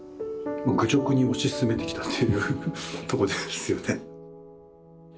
愚直に推し進めてきたというとこですよね。